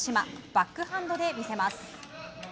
バックハンドで見せます。